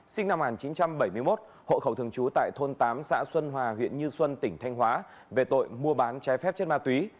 sinh năm một nghìn chín trăm bảy mươi một hộ khẩu thường trú tại thôn tám xã xuân hòa huyện như xuân tỉnh thanh hóa về tội mua bán trái phép chất ma túy